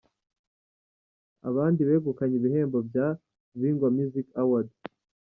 Abandi begukanye ibihembo bya Bingwa Music Awards:.